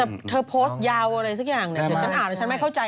แต่เธอโพสต์ยาวอะไรสักอย่างเนี่ยเดี๋ยวฉันอ่านแล้วฉันไม่เข้าใจ